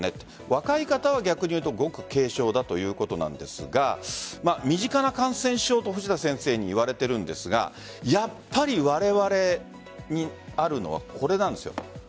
若い方は逆にいうと極軽症ということなんですが身近な感染症と藤田先生もいわれているんですがやっぱりわれわれにあるのはこれなんです。